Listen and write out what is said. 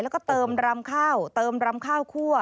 แล้วก็เติมรำข้าวเติมรำข้าวคั่ว